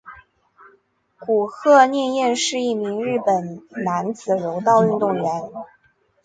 古贺稔彦是一名日本男子柔道运动员。